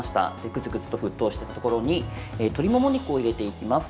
グツグツと沸騰したところに鶏もも肉を入れていきます。